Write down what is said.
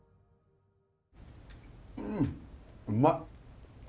うんうまい！